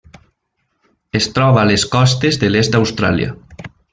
Es troba a les costes de l'est d'Austràlia.